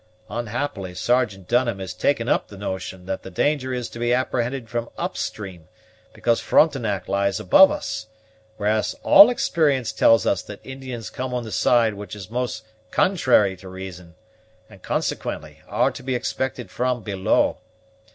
Unhappily Sergeant Dunham has taken up the notion that the danger is to be apprehended from up stream, because Frontenac lies above us; whereas all experience tells us that Indians come on the side which is most contrary to reason, and, consequently, are to be expected from below.